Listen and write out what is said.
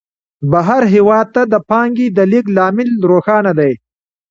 بهر هېواد ته د پانګې د لېږد لامل روښانه دی